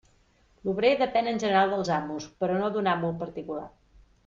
L'obrer depèn en general dels amos, però no d'un amo particular.